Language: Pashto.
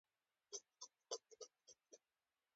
دوی د خپل وضعیت څخه بې خبره دي.